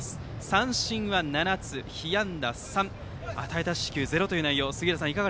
三振は７つ、被安打３与えた四死球はゼロという内容。